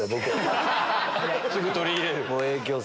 すぐ取り入れる！